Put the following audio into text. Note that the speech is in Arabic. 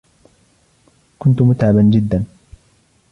كنت متعبا جدا.